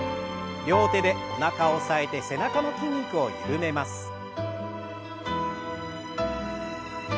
両手でおなかを押さえて背中の筋肉を緩めます。